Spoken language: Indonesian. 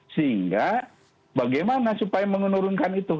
sehingga bagaimana supaya menurunkan itu